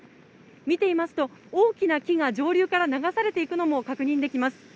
見ていますと、大きな木が上流から流されていくのが確認できます。